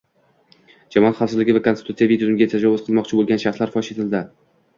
Jamoat xavfsizligi va konstitutsiyaviy tuzumga tajovuz qilmoqchi bo‘lgan shaxslar fosh etildi